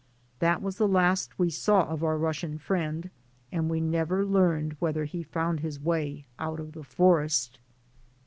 That was the last we saw of our Russian friend, and we never learned whether he found his way out of the forest.